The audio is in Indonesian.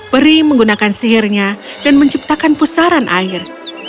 peri menggunakan sihirnya dan menciptakan pusaran air